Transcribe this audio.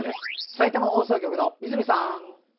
さいたま放送局の泉さん。